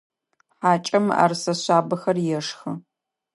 Хьакӏэм мыӏэрысэ шъабэхэр ешхы.